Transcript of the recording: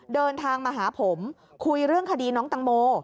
เดินทางมาหาผมคุยเรื่องคดีน้องตังโม